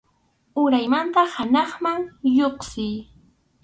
Uraymanta hanaqman lluqsiy.